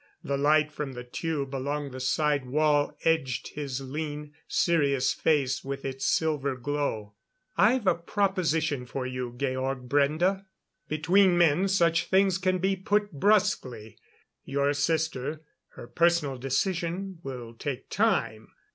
The light from the tube along the side wall edged his lean, serious face with its silver glow. "I've a proposition for you, Georg Brende. Between men, such things can be put bruskly. Your sister her personal decision will take time.